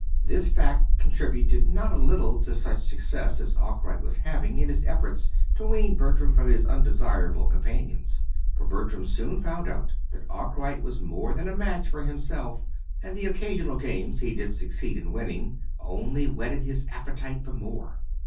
This fact contributed not a little to such success as Arkwright was having in his efforts to wean Bertram from his undesirable companions; for Bertram soon found out that Arkwright was more than a match for himself, and the occasional games he did succeed in winning only whetted his appetite for more.